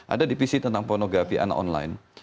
ada divisi tentang pornografi anak online